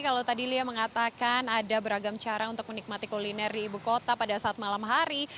kalau tadi lia mengatakan ada beragam cara untuk menikmati kuliner di ibu kota pada saat malam hari